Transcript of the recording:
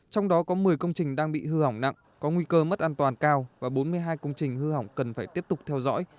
trong đó có một mươi công trình đang bị hư hỏng nặng có nguy cơ mất an toàn cao và bốn mươi hai công trình hư hỏng cần phải tiếp tục theo dõi